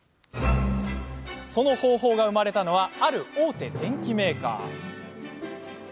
その方法が生まれたのはある大手電機メーカー。